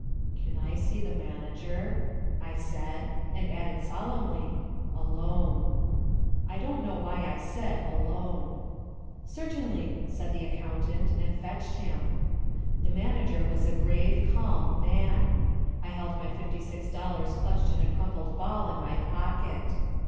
"Can I see the manager?" I said, and added solemnly, "alone." I don't know why I said "alone." "Certainly," said the accountant, and fetched him. The manager was a grave, calm man. I held my fifty six dollars clutched in a crumpled ball in my pocket.